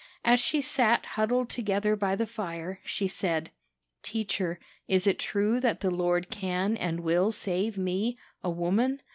As she sat huddled together by the fire, she said: 'Teacher, is it true that the Lord can and will save me, a woman?